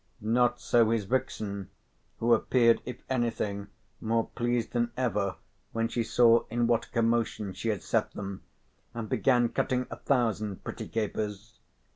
Not so his vixen, who appeared if anything more pleased than ever when she saw in what a commotion she had set them, and began cutting a thousand pretty capers.